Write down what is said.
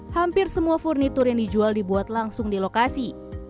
hampir semua furnitur yang dijual dibuat langsung di lokasi